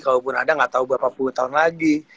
kalaupun ada gak tau berapa puluh tahun lagi